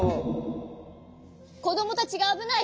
こどもたちがあぶない！